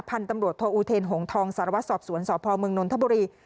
พันธุ์ตำรวจโทอูเทนหงทองสารวัตรสอบสวนสพมนนทบุรี